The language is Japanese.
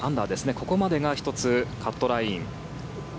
ここまでが１つカットライン。